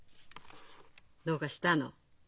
どうかしたの？